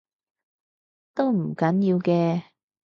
都唔緊要嘅